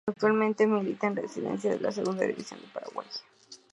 Actualmente milita en Resistencia de la Segunda División de Paraguay.